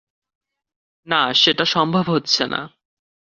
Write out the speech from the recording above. না, সেটা সম্ভব হচ্ছে না!